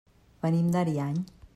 Venim d'Ariany.